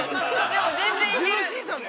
でも、全然いける！